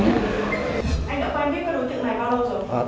anh đã quen biết các đối tượng này bao lâu rồi